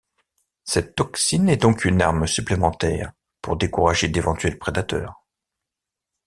Cette toxine est donc une arme supplémentaire, pour décourager d'éventuels prédateurs.